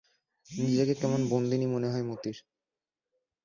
নিজেকে কেমন বন্দিনী মনে হয় মতির।